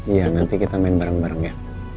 iya nanti kita main bareng bareng ya